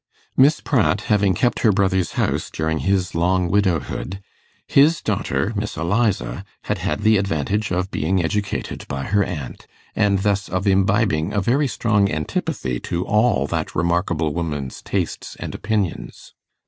Miss Pratt having kept her brother's house during his long widowhood, his daughter, Miss Eliza, had had the advantage of being educated by her aunt, and thus of imbibing a very strong antipathy to all that remarkable woman's tastes and opinions.